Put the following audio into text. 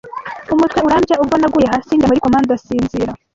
umutwe urandya ubwo naguye hasi njya muri koma ndasinzira